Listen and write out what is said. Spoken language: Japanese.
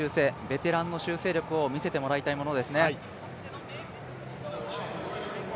ベテランの修正力を見せてもらいたいものですね。